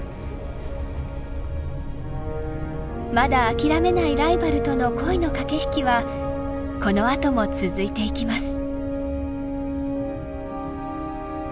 まだ諦めないライバルとの恋の駆け引きはこのあとも続いていきます。